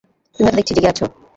তুমিও তো দেখছি জেগে আছ?